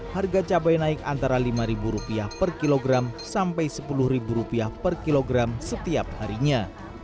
harga cabai naik antara rp lima per kilogram sampai rp sepuluh per kilogram setiap harinya